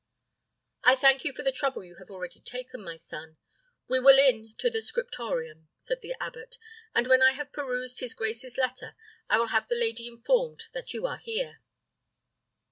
"I thank you for the trouble you have already taken, my son. We will in to the scriptorium," said the abbot; "and when I have perused his grace's letter, will have the lady informed that you are here."